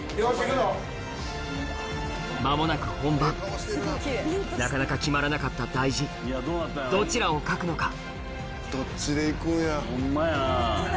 間もなく本番なかなか決まらなかった大字どちらを書くのか？